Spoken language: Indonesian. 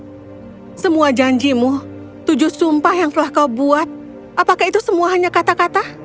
semua janjimu tujuh sumpah yang telah kau buat apakah itu semua hanya kata kata